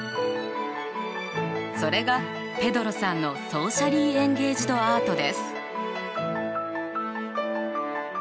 それがペドロさんのソーシャリー・エンゲイジド・アートです。